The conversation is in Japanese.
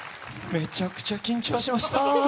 めちゃくちゃ緊張しました。